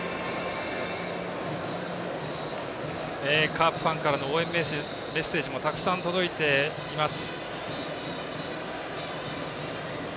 カープファンからの応援メッセージもたくさん届いています。